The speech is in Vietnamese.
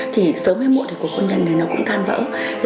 thì sớm hay muộn cuộc hôn nhân này nó cũng tan vỡ